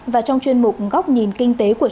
và trong chuyên mục góc nhìn kinh tế của chúng ta